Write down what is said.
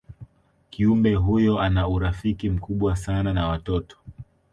kiumbe huyo ana urafiki mkubwa sana na watoto